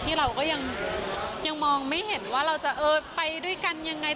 เราก็ยังมองไม่เห็นว่าเราจะไปด้วยกันยังไง